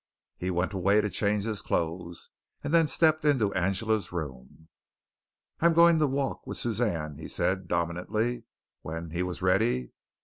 He went away to change his clothes, and then stepped into Angela's room. "I'm going to walk with Suzanne," he said dominantly, when he was ready.